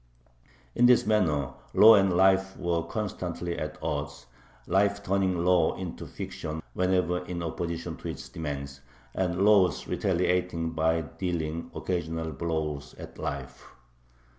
In this manner law and life were constantly at odds, life turning law into fiction whenever in opposition to its demands, and law retaliating by dealing occasional blows at life.